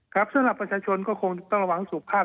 สำหรับประชาชนก็คงต้องระวังสุขภาพ